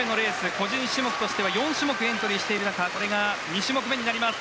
個人種目としては４種目エントリーしている中これが２種目めになります。